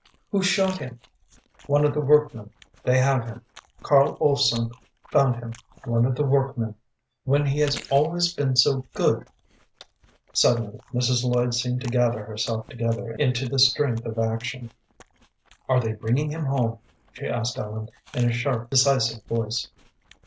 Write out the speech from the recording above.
"Who shot him?" "One of the workmen. They have him. Carl Olfsen found him." "One of the workmen, when he has always been so good!" Suddenly Mrs. Lloyd seemed to gather herself together into the strength of action. "Are they bringing him home?" she asked Ellen, in a sharp, decisive voice.